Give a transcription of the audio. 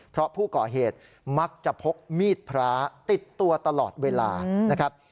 เพราะผู้ก่อเหตุมักจะพกมีดพระติดตัวตลอดเวลานะครับ